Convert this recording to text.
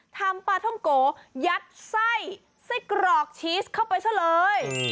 ทำปลาท่องโกยัดไส้ไส้กรอกชีสเข้าไปซะเลย